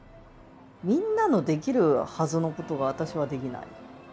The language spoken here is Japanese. みんなのできるはずのことが私はできない。